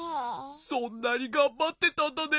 そんなにがんばってたんだね。